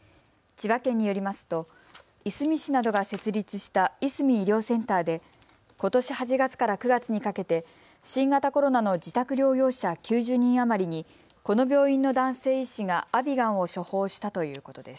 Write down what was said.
千葉県によりますといすみ市などが設立したいすみ医療センターでことし８月から９月にかけて新型コロナの自宅療養者９０人余りにこの病院の男性医師がアビガンを処方したということです。